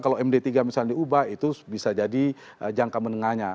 kalau md tiga misalnya diubah itu bisa jadi jangka menengahnya